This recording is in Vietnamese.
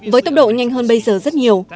với tốc độ nhanh hơn bây giờ rất nhiều